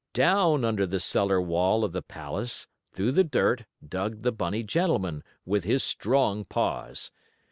Down under the cellar wall of the palace, through the dirt, dug the bunny gentleman, with his strong paws.